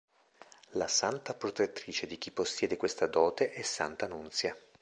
La santa protettrice di chi possiede questa dote è Santa Nunzia.